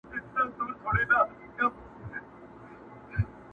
کرنه د سیمې اقتصاد پیاوړی کوي.